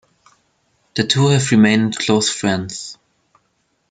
The two have remained close friends.